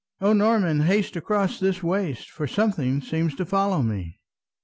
"O Norman, haste across this waste For something seems to follow me!"